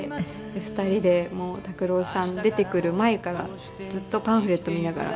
２人でもう拓郎さん出てくる前からずっとパンフレット見ながら泣いていて。